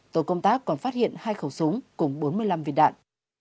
tổ công tác còn phát hiện hai khẩu súng cùng bốn mươi năm viên đạn